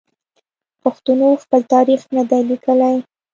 پښتنو خپل تاریخ نه دی لیکلی.